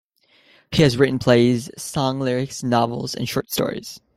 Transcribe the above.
He has written plays, song lyrics, novels and short stories.